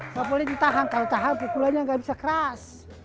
nggak boleh ditahan kalau tahan pukulannya nggak bisa keras